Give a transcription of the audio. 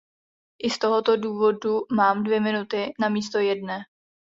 I z tohoto důvodu mám dvě minuty na místo jedné.